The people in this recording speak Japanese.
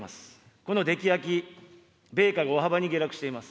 このできあき、米価が大幅に下落しています。